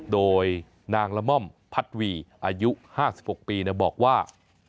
โดยนางละม่อมพัดวีอายุ๕๖ปีบอกว่า